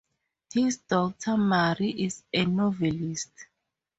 His daughter Marie is a novelist.